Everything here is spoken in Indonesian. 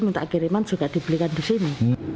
minta kiriman juga dibelikan di sini